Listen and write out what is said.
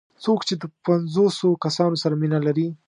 څوک چې د پنځوسو کسانو سره مینه لري.